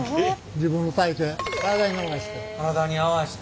自分の体形体に合わして。